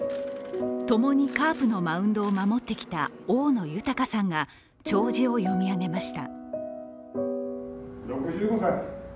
共にカープのマウンドを守ってきた大野豊さんが弔辞を読み上げました。